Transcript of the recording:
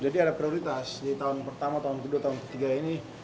jadi ada prioritas di tahun pertama tahun kedua tahun ketiga ini